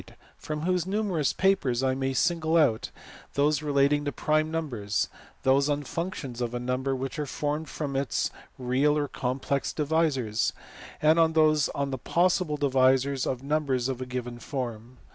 470), from whose numerous papers I may single out those relating to prime numbers ; those on functions of a number which are formed from its (real or complex) divisors ; and those on the possible divisors of numbers of a given form.